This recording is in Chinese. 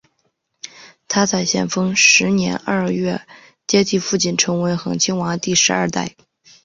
他在咸丰十年二月接替父亲成为恒亲王第十二代。